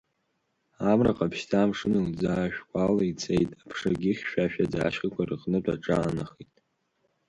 Амра ҟаԥшьӡа амшын илӡаашәкәала ицеит, аԥшагьы хьшәашәаӡа ашьхақәа рыҟнытә аҿаанахеит.